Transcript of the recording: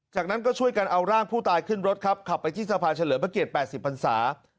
จากนั้นก็ช่วยกันเอาร่างผู้ตายขึ้นรถครับขับไปที่สะพานเฉลิมพระเกียรติ๘๐พันศา